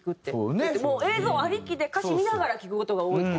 もう映像ありきで歌詞見ながら聴く事が多いって。